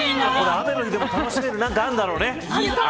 雨の日でも楽しめる何かあるんだろうね。